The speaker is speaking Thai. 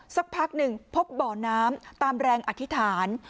สักพักหนึ่งพบบ่อน้ำตามแรงอธิษฐาน